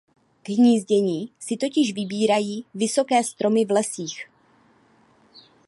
K hnízdění si totiž vybírají vysoké stromy v lesích.